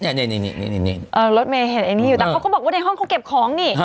นี่รถเมย์เห็นอันนี้อยู่แต่เขาก็บอกว่าในห้องเขาเก็บของนี่